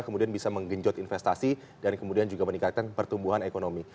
kemudian bisa menggenjot investasi dan kemudian juga meningkatkan pertumbuhan ekonomi